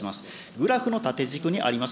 グラフの縦軸にあります